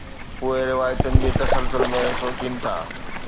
اهي روايتن جي تسلسل ۾ سوچين ٿا.